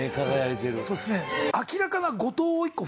そうですね。